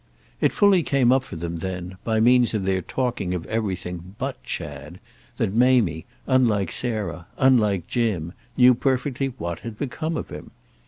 It fully came up for them then, by means of their talking of everything but Chad, that Mamie, unlike Sarah, unlike Jim, knew perfectly what had become of him.